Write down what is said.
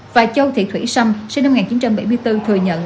và châu thị thủy sâm sinh năm một nghìn chín trăm bảy mươi bốn thừa nhận